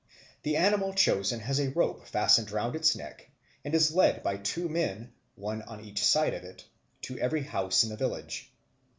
The animal chosen has a rope fastened round its neck and is led by two men, one on each side of it, to every house in the village.